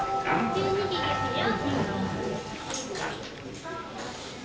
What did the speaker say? １２時ですよ。